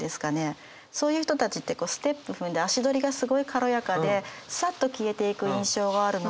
そういう人たちってこうステップ踏んで足取りがすごい軽やかでサッと消えていく印象があるので。